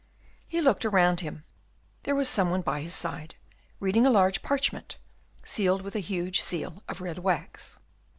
He looked around him. There was some one by his side, reading a large parchment, sealed with a huge seal of red wax.